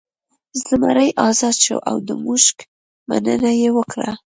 زمری ازاد شو او د موږک مننه یې وکړه.